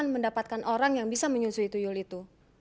mendapatkan orang yang bisa menyusui toyol itu